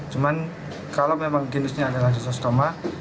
cuman kalau memang genusnya adalah rhizostoma